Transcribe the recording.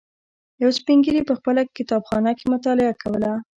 یوه سپین ږیري په خپل کتابخانه کې مطالعه کوله.